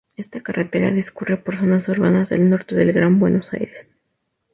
Esta carretera discurre por zonas urbanas del norte del Gran Buenos Aires.